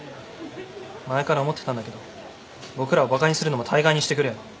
前から思ってたんだけど僕らをバカにするのもたいがいにしてくれよ。